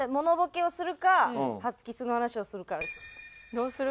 どうする？